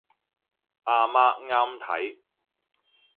阿媽啱睇